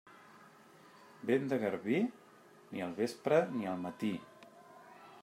Vent de garbí? Ni al vespre ni al matí.